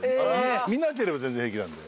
見なければ全然平気なんで。